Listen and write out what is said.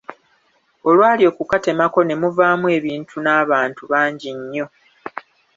Olwali okukatemako ne muvamu ebintu n’abantu bangi nnyo.